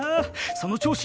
その調子！